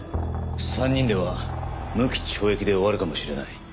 ３人では無期懲役で終わるかもしれない。